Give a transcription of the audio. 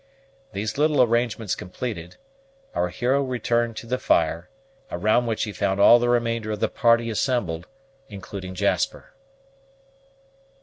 These little arrangements completed, our hero returned to the fire, around which he found all the remainder of the party assembled, including Jasper.